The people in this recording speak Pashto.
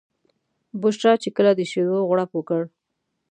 بشرا چې کله د شیدو غوړپ وکړ.